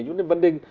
nhưng mà vấn đề